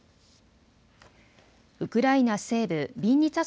ウクライナ西部ビンニツァ